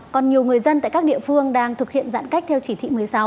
còn nhiều người dân tại các địa phương đang thực hiện giãn cách theo chỉ thị một mươi sáu